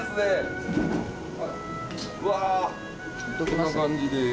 こんな感じです。